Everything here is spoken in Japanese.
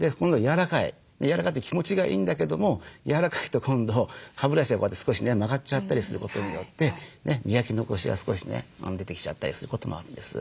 柔らかいって気持ちがいいんだけども柔らかいと今度歯ブラシでこうやって少しね曲がっちゃったりすることによって磨き残しが少しね出てきちゃったりすることもあるんです。